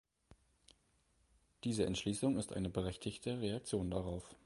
Diese Entschließung ist eine berechtigte Reaktion darauf.